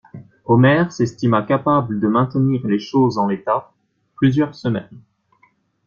Omer s'estima capable de maintenir les choses en l'état, plusieurs semaines.